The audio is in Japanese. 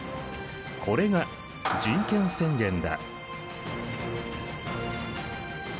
これが人権宣言だ。